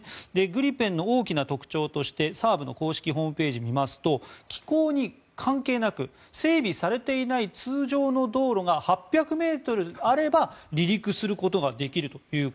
グリペンの大きな特徴としてＳＡＡＢの公式ホームページを見ますと気候に関係なく整備されていない通常の道路が８００ｍあれば離陸することができると。